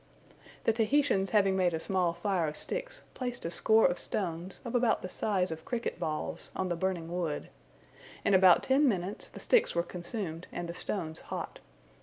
The Tahitians having made a small fire of sticks, placed a score of stones, of about the size of cricket balls, on the burning wood. In about ten minutes the sticks were consumed, and the stones hot.